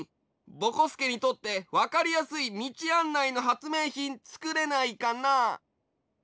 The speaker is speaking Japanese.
ぼこすけにとってわかりやすいみちあんないのはつめいひんつくれないかな？